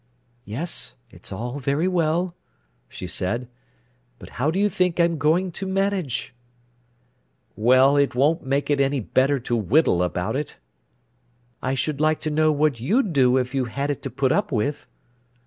"Yes, it's all very well," she said; "but how do you think I'm going to manage?" "Well, it won't make it any better to whittle about it." "I should like to know what you'd do if you had it to put up with."